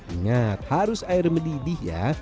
ingat harus air mendidih ya